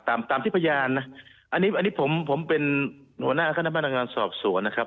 ตามที่พยานนะอันนี้ผมเป็นหัวหน้าข้านักบ้านดังงานสอบสวนนะครับ